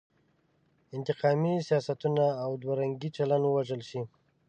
انتقامي سیاستونه او دوه رنګی چلن ووژل شي.